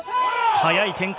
早い展開。